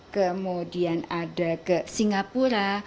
kemudian ada ke singapura